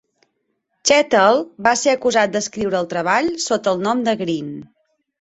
Chettle va ser acusat d'escriure el treball sota el nom de Greene.